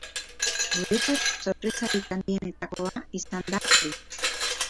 Guretzat, sorpresarik handienetakoa izan da hori.